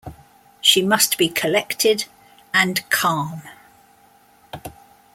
She must be collected and calm.